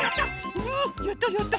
うやったやった！